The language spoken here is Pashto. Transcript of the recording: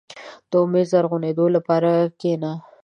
• د امید د زرغونېدو لپاره کښېنه.